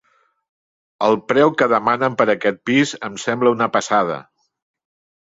El preu que demanen per aquest pis em sembla una passada.